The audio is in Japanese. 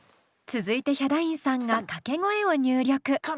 続いてヒャダインさんが掛け声を入力。